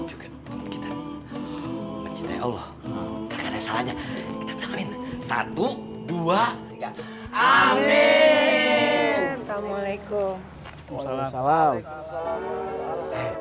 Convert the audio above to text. juga kita cinta ya allah salahnya satu dua tiga amin assalamualaikum waalaikumsalam